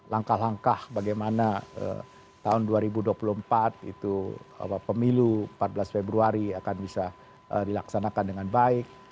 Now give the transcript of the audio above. langkah langkah bagaimana tahun dua ribu dua puluh empat itu pemilu empat belas februari akan bisa dilaksanakan dengan baik